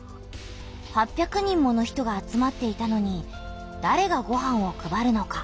８００人もの人が集まっていたのにだれがごはんを配るのか？